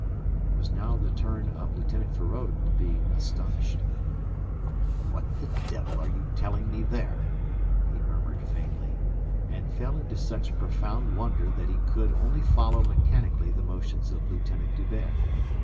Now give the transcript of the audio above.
It was now the turn of Lieutenant Feraud to be astonished. "What the devil are you telling me there?" he murmured faintly, and fell into such profound wonder that he could only follow mechanically the motions of Lieutenant D'Hubert.